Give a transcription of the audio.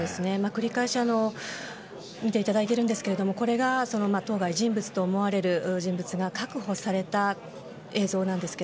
繰り返し見ていただいているんですけれども当該人物と思われる人物が確保された映像なんですが。